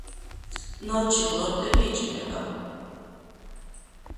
ნორჩი ყლორტები იჭმება.